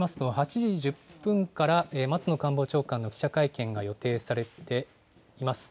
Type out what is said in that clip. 情報によりますと、８時１０分から松野官房長官の記者会見が予定されています。